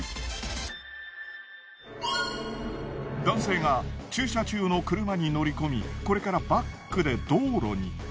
男性が駐車中の車に乗り込みこれからバックで道路に。